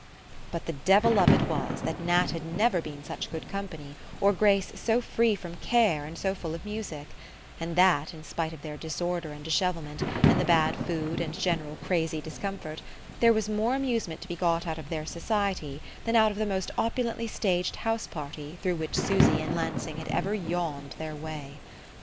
But the devil of it was that Nat had never been such good company, or Grace so free from care and so full of music; and that, in spite of their disorder and dishevelment, and the bad food and general crazy discomfort, there was more amusement to be got out of their society than out of the most opulently staged house party through which Susy and Lansing had ever yawned their way.